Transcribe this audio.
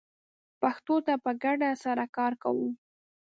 پښتو ته په ګډه سره کار کوو